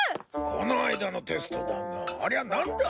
この間のテストだがありゃなんだ？